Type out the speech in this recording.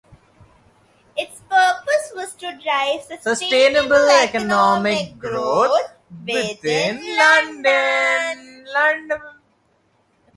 Its purpose was to drive sustainable economic growth within London.